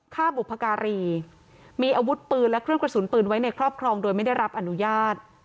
บุพการีมีอาวุธปืนและเครื่องกระสุนปืนไว้ในครอบครองโดยไม่ได้รับอนุญาต